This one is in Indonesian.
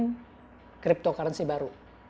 untuk membuat uang crypto baru